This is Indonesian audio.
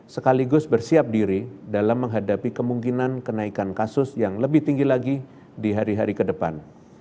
sekaligus bersiap diri dalam menghadapi kemungkinan kenaikan kasus yang lebih tinggi lagi di hari hari ke depan